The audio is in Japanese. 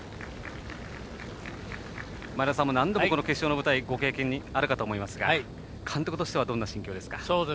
前田さんも何度もこの決勝の舞台のご経験があるかと思いますが監督としてはどんな心境ですか。